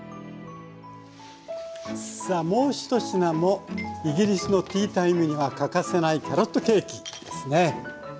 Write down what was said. さあもう１品もイギリスのティータイムには欠かせないキャロットケーキですね。